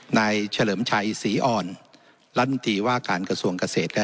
เฉลิมชัยศรีอ่อนรัฐมนตรีว่าการกระทรวงเกษตรและ